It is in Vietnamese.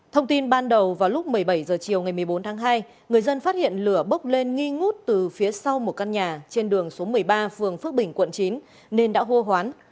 thông tin ban đầu vào lúc một mươi bảy h chiều ngày một mươi bốn tháng hai người dân phát hiện lửa bốc lên nghi ngút từ phía sau một căn nhà trên đường số một mươi ba phường phước bình quận chín nên đã hô hoán